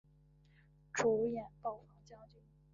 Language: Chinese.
主演暴坊将军。